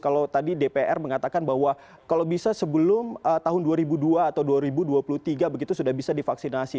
kalau tadi dpr mengatakan bahwa kalau bisa sebelum tahun dua ribu dua atau dua ribu dua puluh tiga begitu sudah bisa divaksinasi